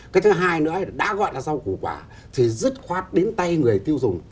cái thứ hai nữa là đã gọi là rau củ quả thì rất khoát đến tay người tiêu dùng